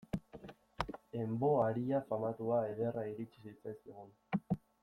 En vo aria famatua ederra iritsi zitzaigun.